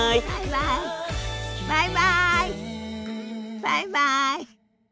バイバイ。